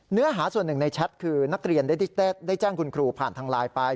เนื้อหาส่วนหนึ่งในแชทคือนักเรียนได้แจ้งคุณครูผ่านทางไลน์ไป